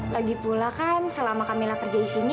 lagi pula kan selama kamila kerja disini